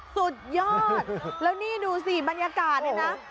สุดยอดแล้วนี่ดูสิบรรยากาศเนี่ยนะ